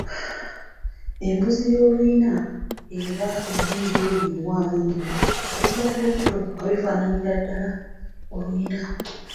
Embuzi ey'oluyina eba erina ebyoya ebiwanvu ennyo okuva ku lubuto nga bifaananira ddala oluyina.